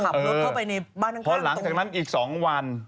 เพราะหลังจากนั้นอีก๒วัน